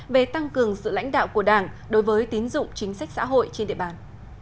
về tăng cường sự lãnh đạo của đảng đối với tín dụng chính sách xã hội trên địa bàn